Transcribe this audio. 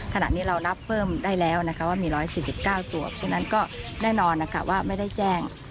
ขณะนี้เรารับเพิ่มได้แล้วนะคะว่ามี๑๔๙ตัวฉะนั้นก็แน่นอนนะคะว่าไม่ได้แจ้ง